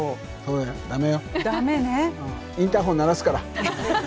うんインターホン鳴らすから。